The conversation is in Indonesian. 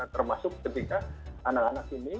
termasuk ketika anak anak ini